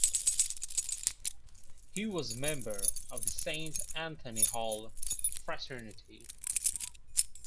He was a member of the Saint Anthony Hall fraternity.